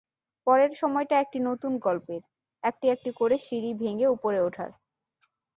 পরের সময়টা একটি নতুন গল্পের, একটি একটি করে সিঁড়ি ভেঙে ওপরে ওঠার।